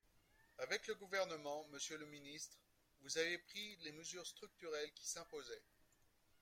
Avec le Gouvernement, monsieur le ministre, vous avez pris les mesures structurelles qui s’imposaient.